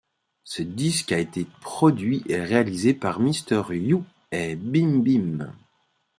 Ce disque a été produit et réalisé par Mister You et Bimbim.